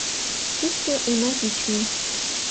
— Кидше уна пӱчмӧ...